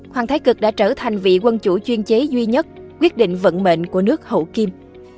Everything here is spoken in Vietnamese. hoàng thái cực đã trở thành vị quân chủ chuyên chế duy nhất quyết định vận mệnh của nước hậu kim